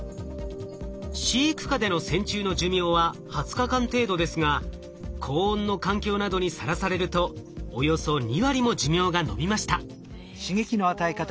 飼育下での線虫の寿命は２０日間程度ですが高温の環境などにさらされるとおよそ２割も寿命が延びました。